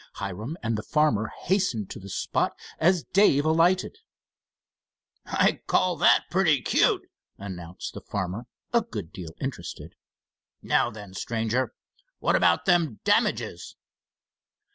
Hiram and the farmer hastened to the spot as Dave alighted. "I call that purty cute," announced the farmer, a good deal interested. "Now then, stranger, what about them damages?"